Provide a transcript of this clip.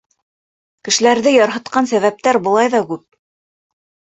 Кешеләрҙе ярһытҡан сәбәптәр былай ҙа күп.